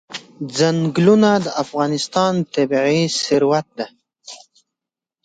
چنګلونه د افغانستان طبعي ثروت دی.